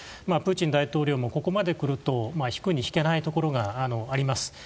プーチン大統領もここまでくると引くに引けないところがあります。